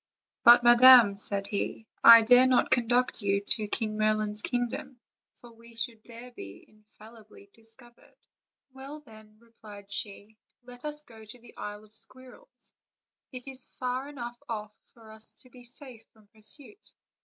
"But, madam," said he, "I dare not conduct you to King Merlin's kingdom, for we should there be infallibly discovered." "Well, then," replied she, "let us go to the Isle of Squirrels; it is far enough off for us to be safe from pur suit."